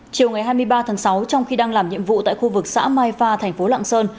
chiều ngày hai mươi ba tháng sáu trong khi đang làm nhiệm vụ tại khu vực xã mai pha thành phố lạng sơn